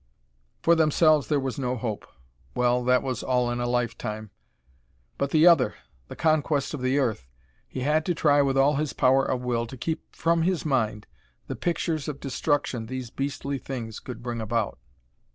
For themselves there was no hope. Well, that was all in a lifetime. But the other the conquest of the earth he had to try with all his power of will to keep from his mind the pictures of destruction these beastly things could bring about.